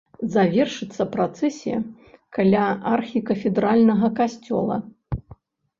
Завершыцца працэсія каля архікафедральнага касцёла.